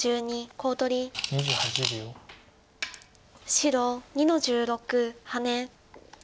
白２の十六ハネ。